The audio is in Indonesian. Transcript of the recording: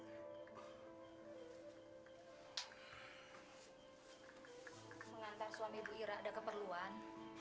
mengantar suami ibu ira ada keperluan